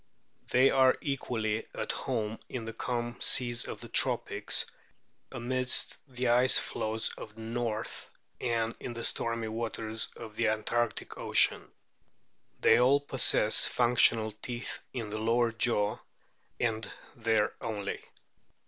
They are equally at home in the calm seas of the tropics, amidst the ice floes of the north, and in the stormy waters of the antarctic ocean. They all possess functional teeth in the lower jaw, and there only.